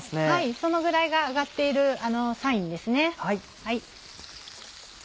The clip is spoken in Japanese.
そのぐらいが揚がっているサインですね。